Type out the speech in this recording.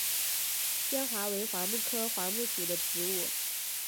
坚桦为桦木科桦木属的植物。